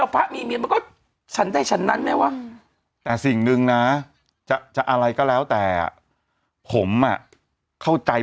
ผมอ่ะเข้าใจ